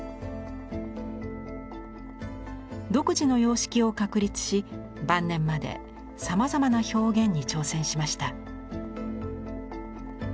独自の様式を確立し晩年までさまざまな表現に挑戦しました。